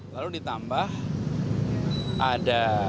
lalu ditambah ada